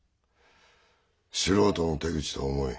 素人の手口とは思えん。